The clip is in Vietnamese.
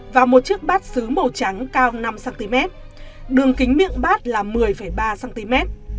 và một chiếc bát xứ màu trắng cao năm cm đường kính miệng bát là một mươi ba cm